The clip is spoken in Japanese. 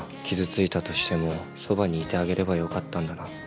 傷ついたとしてもそばにいてあげればよかったんだな。